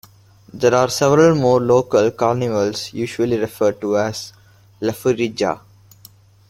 There are several more local carnivals usually referred to as Laufarija.